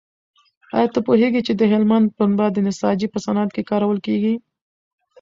ایا ته پوهېږې چې د هلمند پنبه د نساجۍ په صنعت کې کارول کېږي؟